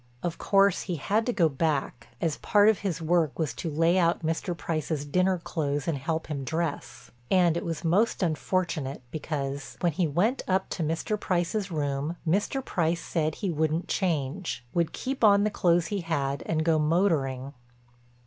Of course he had to go back, as part of his work was to lay out Mr. Price's dinner clothes and help him dress, and it was most unfortunate, because, when he went up to Mr. Price's room, Mr. Price said he wouldn't change, would keep on the clothes he had and go motoring.